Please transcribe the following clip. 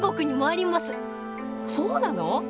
そうなの？